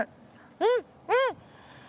うんうん！